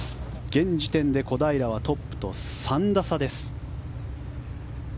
現時点で小平はトップと３打差です。